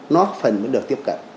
nó phần mới được tiếp cận